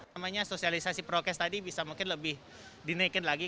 namanya sosialisasi prokes tadi bisa mungkin lebih dinaikin lagi